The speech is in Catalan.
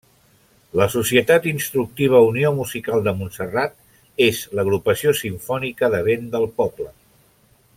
La Societat Instructiva Unió Musical de Montserrat és l'agrupació simfònica de vent del poble.